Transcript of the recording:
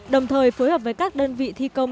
đồng thời phối hợp với các đơn vị thi công